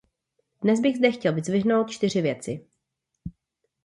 Dnes bych zde chtěl vyzdvihnout čtyři věci.